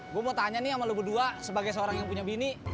gue mau tanya nih sama logo sebagai seorang yang punya bini